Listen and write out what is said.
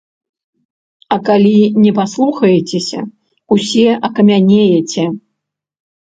А калі не паслухаецеся, усе акамянееце.